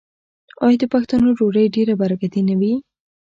آیا د پښتنو ډوډۍ ډیره برکتي نه وي؟